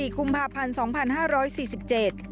๒๔คุมภาพพันธ์๒๕๔๗